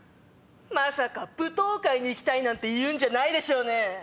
まさか舞踏会に行きたいなんて言うんじゃないでしょうね？